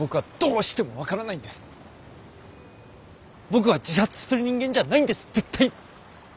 僕は自殺する人間じゃないんです絶対！